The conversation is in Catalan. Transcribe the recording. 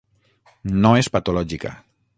No és patològica.